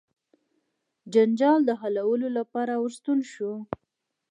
جنجال د حلولو لپاره ورستون سو.